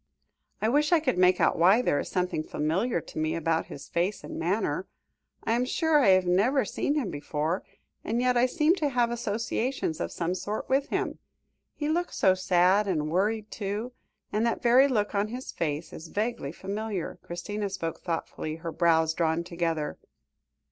"I wish I could make out why there is something familiar to me about his face and manner. I am sure I have never seen him before, and yet I seem to have associations of some sort with him. He looks so sad and worried, too; and that very look on his face is vaguely familiar." Christina spoke thoughtfully, her brows drawn together.